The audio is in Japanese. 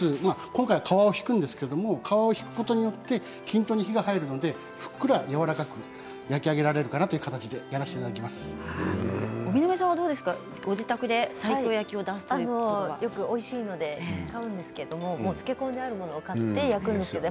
今回皮を引くんですけれど皮を引くことによって均等に火が入るのでふっくらやわらかく焼き上げられるかなという感じで荻野目さんはどうですかおいしいのでよく買うんですけれども漬け込んだものを買って焼くんです。